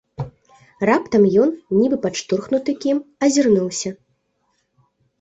Раптам ён, нібы падштурхнуты кім, азірнуўся.